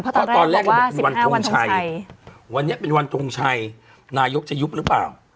เพราะตอนแรกก็บอกเป็นวันทงชัยวันนี้เป็นวันทงชัยนายกจะยุบหรือเปล่า